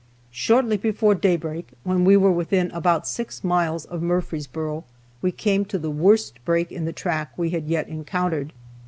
Shortly before daylight, when we were within about six miles of Murfreesboro, we came to the worst break in the track we had yet encountered.